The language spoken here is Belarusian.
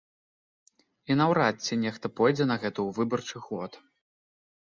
І наўрад ці нехта пойдзе на гэта ў выбарчы год.